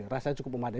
rasanya cukup memadai